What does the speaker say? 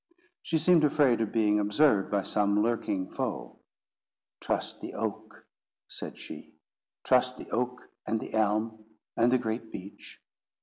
She seemed afraid of being observed by some lurking foe. "Trust the Oak," said she; "trust the Oak, and the Elm, and the great Beech.